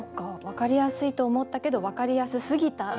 分かりやすいと思ったけど分かりやすすぎた。